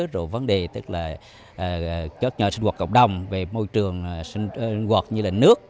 rồi vấn đề tức là chất nhỏ sinh hoạt cộng đồng về môi trường sinh hoạt như là nước